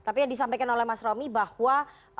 tapi yang disampaikan oleh mas romi bahwa